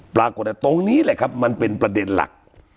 ปรากฏว่าตรงนี้แหละครับมันเป็นประเด็นหลัก